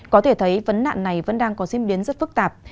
có thể thấy vấn nạn này vẫn đang có diễn biến rất phức tạp